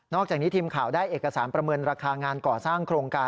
อกจากนี้ทีมข่าวได้เอกสารประเมินราคางานก่อสร้างโครงการ